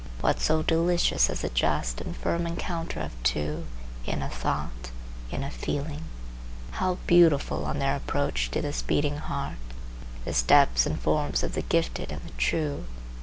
What so delicious as a just and firm encounter of two, in a thought, in a feeling? How beautiful, on their approach to this beating heart, the steps and forms of the gifted and the true!